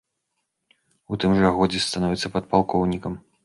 У тым жа годзе становіцца падпалкоўнікам.